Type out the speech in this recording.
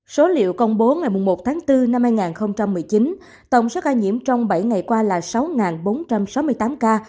số liệu công bố ngày một tháng bốn năm hai nghìn một mươi chín tổng số ca nhiễm trong bảy ngày qua là sáu bốn trăm sáu mươi tám ca